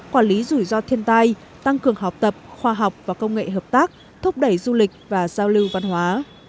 quản lý rủi ro thiên tai tăng cường học tập khoa học và công nghệ hợp tác thúc đẩy du lịch và giao lưu văn hóa